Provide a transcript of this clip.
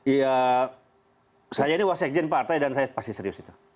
ya saya ini wasekjen partai dan saya pasti serius itu